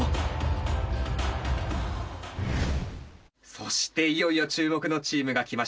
そしていよいよ注目のチームが来ました。